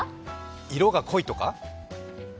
色が濃いとか？